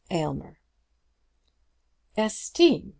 AYLMER. "Esteem!"